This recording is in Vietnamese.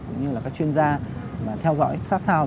cũng như là các chuyên gia mà theo dõi sát sao